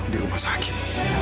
di rumah sakit